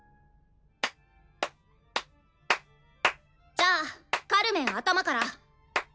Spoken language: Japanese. じゃあカルメン頭から。